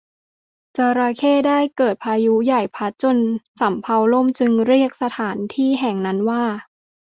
จระเข้ได้เกิดพายุใหญ่พัดจนสำเภาล่มจึงเรียกสถานที่แห่งนั้นว่า